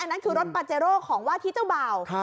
นั่นคือรถปาเจโร่ของว่าที่เจ้าบ่าว